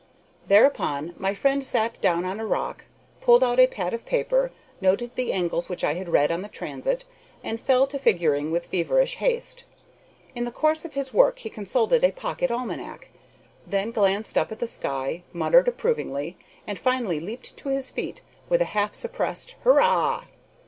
Thereupon my friend sat down on a rock, pulled out a pad of paper, noted the angles which I had read on the transit, and fell to figuring with feverish haste. In the course of his work he consulted a pocket almanac, then glanced up at the sky, muttered approvingly, and finally leaped to his feet with a half suppressed "Hurrah!"